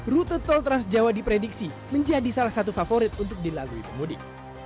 rute tol transjawa diprediksi menjadi salah satu favorit untuk dilalui pemudik